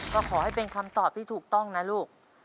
ก็ขอให้เป็นคำตอบที่ถูกต้องนะลูก